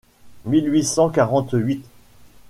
mille huit cent quarante-huit.